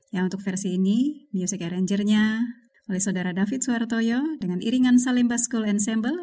yang untuk versi ini music arrangernya oleh saudara david suartoyo dengan iringan salimba school ensemble